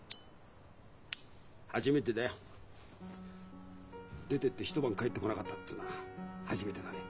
初めてだよ。出てって一晩帰ってこなかったってのは初めてだね。